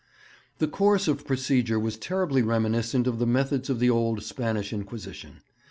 The course of procedure was terribly reminiscent of the methods of the old Spanish Inquisition.